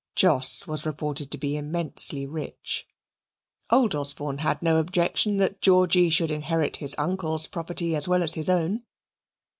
Jos was reported to be immensely rich. Old Osborne had no objection that Georgy should inherit his uncle's property as well as his own.